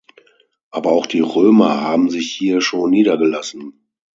Aber auch die Römer haben sich hier schon niedergelassen.